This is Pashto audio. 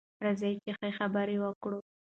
راځئ چې ښه خبرې وکړو.